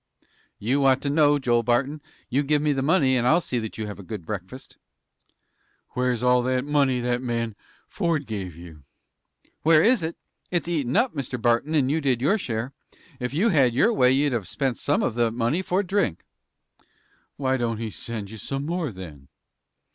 "You ought to know, Joel Barton. You give me the money, and I'll see that you have a good breakfast." "Where's all the money that man Ford gave you?" "Where is it? It's eaten up, Mr. Barton, and you did your share. Ef you'd had your way, you'd have spent some of the money for drink." "Why don't he send you some more, then?"